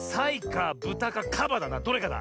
どれかだ。